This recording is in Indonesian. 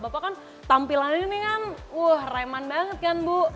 bapak kan tampilannya ini kan wah reman banget kan bu